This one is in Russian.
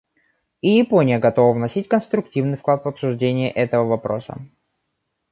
И Япония готова вносить конструктивный вклад в обсуждение этого вопроса.